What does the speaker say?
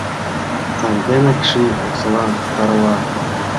Санденак ший оксала тарла.